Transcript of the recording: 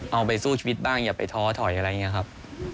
เอาไปสู้ชีวิตบ้างอย่าไปท้อถอยอะไรอย่างนี้ครับ